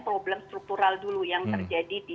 problem struktural dulu yang terjadi di